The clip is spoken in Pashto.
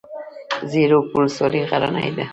زیروک ولسوالۍ غرنۍ ده؟